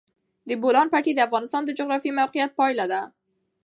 د بولان پټي د افغانستان د جغرافیایي موقیعت پایله ده.